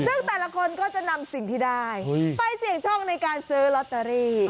ซึ่งแต่ละคนก็จะนำสิ่งที่ได้ไปเสี่ยงโชคในการซื้อลอตเตอรี่